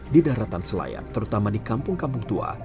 di daratan selayar terutama di kampung kampung tua